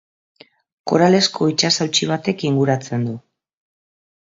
Koralezko itsas hautsi batek inguratzen du.